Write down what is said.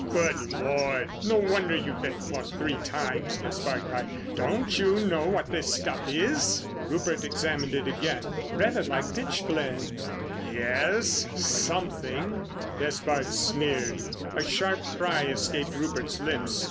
"Good Lord! no wonder you've been plucked three times!" Despard cried. "Don't you know what this stuff is?" Rupert examined it again. "Rather like pitch blende." "Yes—something," Despard sneered. A sharp cry escaped Rupert's lips.